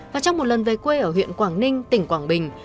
và trong một lần về quê ở huyện quảng ninh tỉnh quảng bình